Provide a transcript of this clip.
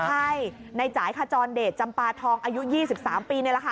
ใช่ในจ่ายขจรเดชจำปาทองอายุ๒๓ปีนี่แหละค่ะ